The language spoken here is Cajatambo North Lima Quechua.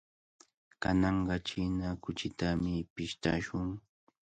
Kananqa china kuchitami pishtashun.